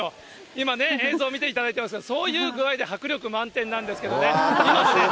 今ね、映像見ていただいてますが、そういう具合で迫力満点なんですけどね。